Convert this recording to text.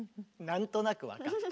何となく分かった？